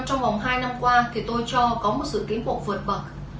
trong vòng hai năm qua thì tôi cho có một sự kĩ mộng vượt bậc